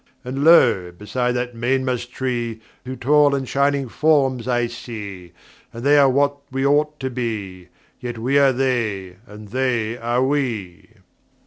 "And lo! beside that mainmast tree Two tall and shining forms I see, And they are what we ought to be, Yet we are they, and they are we."